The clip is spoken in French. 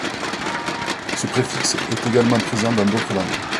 Ce préfixe est également présent dans d'autres langues.